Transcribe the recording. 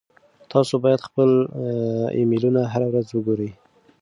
تاسو باید خپل ایمیلونه هره ورځ وګورئ.